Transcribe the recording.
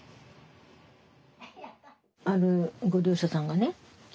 あるご利用者さんがね